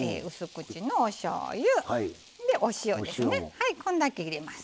はいこんだけ入れます。